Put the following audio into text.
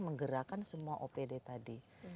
menggerakan semua opd tadi